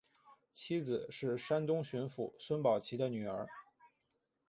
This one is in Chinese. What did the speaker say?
妻子是山东巡抚孙宝琦的女儿。